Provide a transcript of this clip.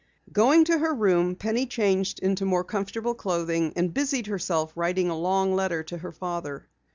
Going to her room, Penny changed into more comfortable clothing and busied herself writing a long letter to her father.